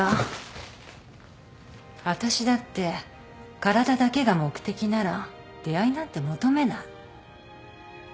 私だって体だけが目的なら出会いなんて求めない。